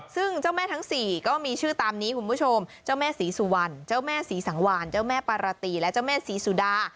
ซึ่งเจ้าแม่ทั้งสี่ก็มีชื่อตามนี้คุณผู้ชมเจ้าแม่ศรีสุวรรณเจ้าแม่ศรีสังวานเจ้าแม่ปาราตีและเจ้าแม่ศรีสุดา